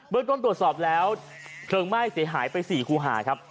เรื่องต้นตรวจสอบแล้วเพลิงไหม้เสียหายไป๔คูหาครับ